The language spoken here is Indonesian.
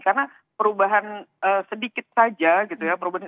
karena perubahan sedikit saja gitu ya